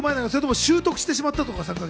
習得してしまったとか？